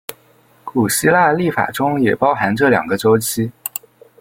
古希腊历法中也包含这两个周期。